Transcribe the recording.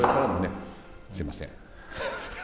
すいません。